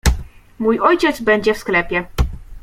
— Mój ojciec będzie w sklepie.